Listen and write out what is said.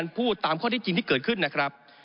พูดตามข้อที่จริงที่เกิดขึ้นนะครับ